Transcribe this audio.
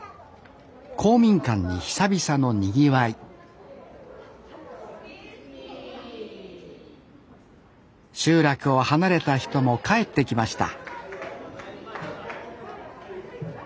公民館に久々のにぎわい集落を離れた人も帰ってきました